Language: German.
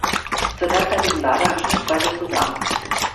Zur derzeitigen Lage habe ich nichts weiter zu sagen.